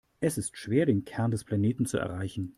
Es ist schwer, den Kern des Planeten zu erreichen.